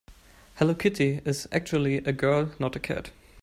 Hello Kitty is actually a girl, not a cat.